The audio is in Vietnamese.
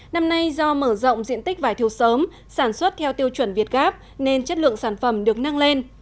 năm nay do mở rộng diện tích vải thiều sớm sản xuất theo tiêu chuẩn việt gáp nên chất lượng sản phẩm được nâng lên